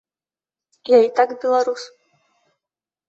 Я і так беларус.